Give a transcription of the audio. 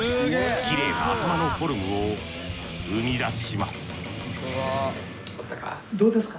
きれいな頭のフォルムを生み出します終わったか？